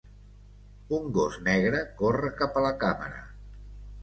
Un gos negre corre cap a la càmera.